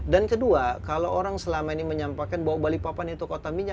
dan kedua kalau orang selama ini menyampaikan bahwa balikpapan itu kota minyak